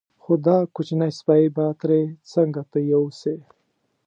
خو دا کوچنی سپی به ترې څنګه ته یوسې.